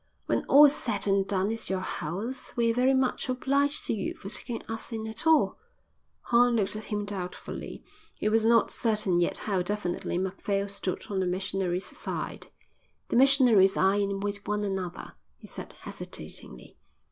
"When all's said and done it's your house. We're very much obliged to you for taking us in at all." Horn looked at him doubtfully. He was not certain yet how definitely Macphail stood on the missionary's side. "The missionaries are in with one another," he said, hesitatingly.